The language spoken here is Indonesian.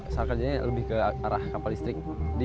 saya kerjanya lebih ke arah kapal listrik